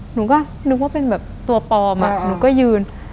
หนูก็นึกว่าเป็นแบบตัวปลอมหนูก็ยืน